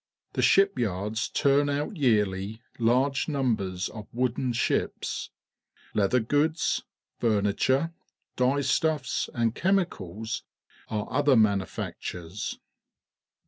The shipyards turn out yearly large numbers of wooden sliips. Leather^ood&rf«i"4iiture, d^ier stuffs, and chemicals are other manufactures.